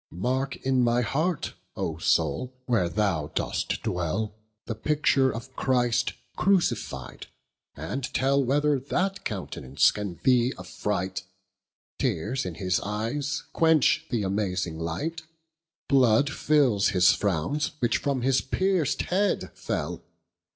Marke in my heart, O Soule, where thou dost dwell, The picture of Christ crucified, and tell Whether that countenance can thee affright, Teares in his eyes quench the amazing light, Blood fills his frownes, which from his pierc'd head fell.